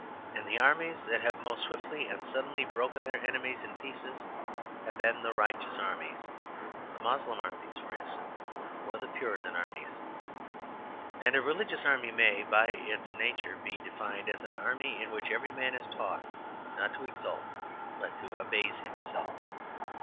And the armies that have most swiftly and suddenly broken their enemies in pieces have been the religious armies the Moslem Armies, for instance, or the Puritan Armies. And a religious army may, by its nature, be defined as an army in which every man is taught not to exalt but to abase himself.